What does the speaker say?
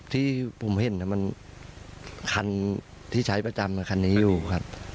ที่ผมเห็นมันคันที่ใช้ประจำคันนี้อยู่ครับ